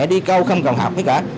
đi cao không cần học hết cả